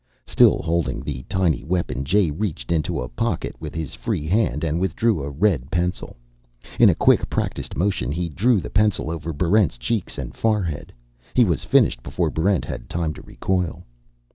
Still holding the tiny weapon, Jay reached into a pocket with his free hand and withdrew a red pencil. In a quick, practiced motion he drew the pencil over Barrent's cheeks and forehead. He was finished before Barrent had time to recoil.